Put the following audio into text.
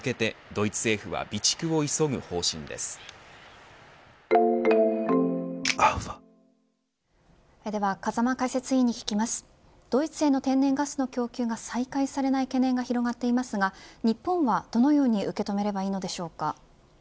ドイツへの天然ガスの供給が再開されない懸念が広がっていますが日本はどのように受け止めればいいのでしょうか。